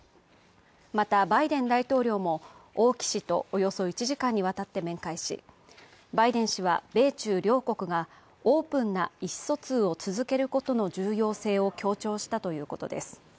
また、バイデン大統領も、王毅氏とおよそ１時間にわたって面会し、バイデン氏は、米中両国がオープンな意思疎通を続けることの重要性を強調したということです。